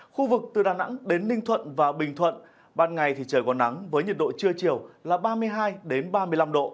khu vực từ đà nẵng đến ninh thuận và bình thuận ban ngày thì trời còn nắng với nhiệt độ trưa chiều là ba mươi hai ba mươi năm độ